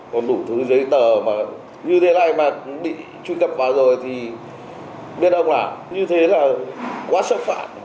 còn đủ thứ giấy tờ mà như thế này mà bị truy cập vào rồi thì biết ông làm như thế là quá xâm phạm